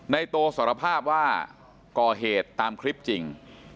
โตสารภาพว่าก่อเหตุตามคลิปจริง